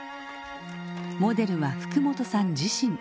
モデルは福本さん自身。